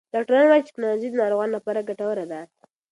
ډاکټران وایې چې ټکنالوژي د ناروغانو لپاره ګټوره ده.